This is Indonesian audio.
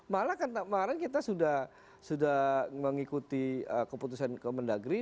malah kan kemarin kita sudah mengikuti keputusan kementerian negeri